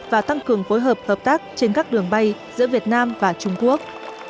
và tăng cường phối hợp hợp tác trên các đường bay giữa việt nam và trung quốc